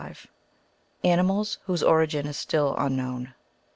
— ANIMALS WHOSE ORIGIN IS STILL UNKNOWN.